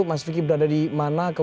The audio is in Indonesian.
mas vicky berada di mana